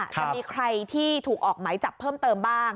จะมีใครที่ถูกออกไหมจับเพิ่มเติมบ้าง